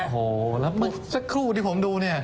โอ้โฮแล้วมันจักรคู่ที่ผมดูเนี่ย